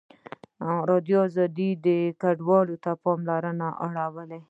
ازادي راډیو د کډوال ته پام اړولی.